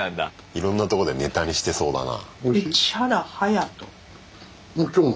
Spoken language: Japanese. いろんなとこでネタにしてそうだな。